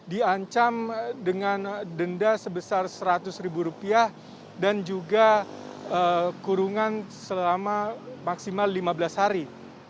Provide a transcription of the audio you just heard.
diancam dengan denda sebesar seratus ribu rupiah dan juga kurungan selama maksimal lima belas hari